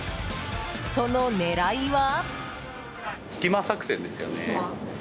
その狙いは？